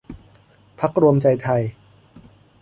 พรรครวมใจไทย